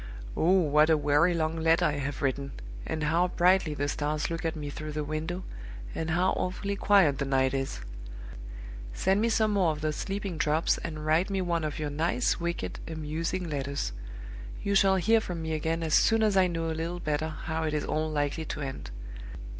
Oh, what a weary, long letter I have written! and how brightly the stars look at me through the window, and how awfully quiet the night is! Send me some more of those sleeping drops, and write me one of your nice, wicked, amusing letters. You shall hear from me again as soon as I know a little better how it is all likely to end.